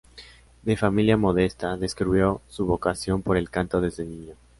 De familia modesta, descubrió su vocación por el canto desde niño.